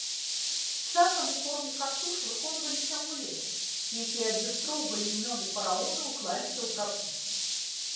Часам у форме картуш выконваліся амулеты, якія адлюстроўвалі імёны фараонаў і клаліся ў грабніцы.